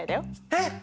えっ！